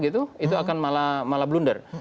itu akan malah blunder